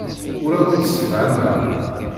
Ur awen-d-ssefhameɣ.